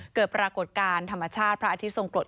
เกิดปรากฏการณ์ธรรมชาติพระอาทิตทรงกฎ